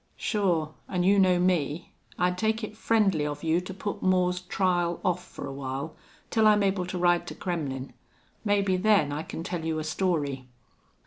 "Sure. An' you know me. I'd take it friendly of you to put Moore's trial off fer a while till I'm able to ride to Krernmlin'. Maybe then I can tell you a story."